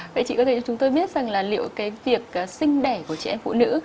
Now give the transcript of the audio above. vậy chị có thể cho chúng tôi biết rằng là liệu cái việc sinh đẻ của chị em phụ nữ